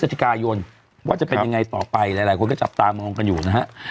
จิกายนว่าจะเป็นยังไงต่อไปหลายคนก็จับตามองกันอยู่นะฮะ